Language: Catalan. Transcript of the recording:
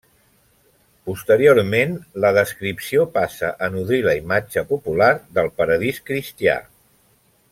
Posteriorment, la descripció passa a nodrir la imatge popular del paradís cristià.